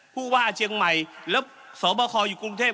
ผู้ว่าเชียงใหม่แล้วสบคอยู่กรุงเทพ